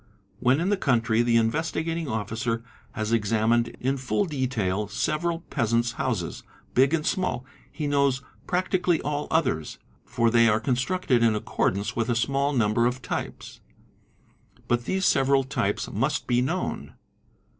When in the country the Investigating Officer has examined in full detail several peasant's houses, big and small, he knows practically all others, for they wre constructed in accordance with a small number of types. But these "several types must be known.